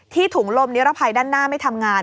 ถุงลมนิรภัยด้านหน้าไม่ทำงาน